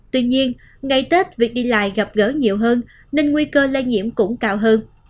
tuy nhiên ngày tết việc đi lại gặp gỡ nhiều hơn nên nguy cơ lây nhiễm cũng cao hơn